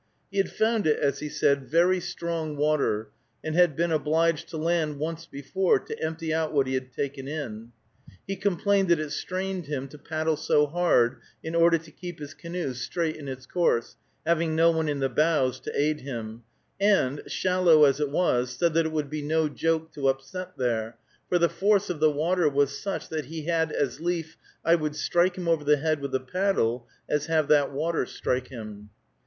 He had found it, as he said, "very strong water," and had been obliged to land once before to empty out what he had taken in. He complained that it strained him to paddle so hard in order to keep his canoe straight in its course, having no one in the bows to aid him, and, shallow as it was, said that it would be no joke to upset there, for the force of the water was such that he had as lief I would strike him over the head with a paddle as have that water strike him.